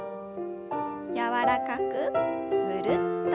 柔らかくぐるっと。